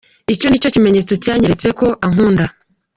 Icyo nicyo kimenyetso cyanyeretse ko ankunda”.